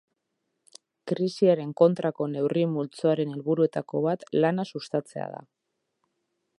Krisiaren kontrako neurri multzoaren helburuetako bat lana sustatzea da.